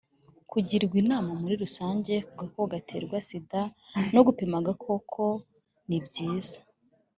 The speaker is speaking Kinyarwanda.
kugirwa inama muri rusange ku gakoko gatera sida no gupima ako gakoko ni byiza,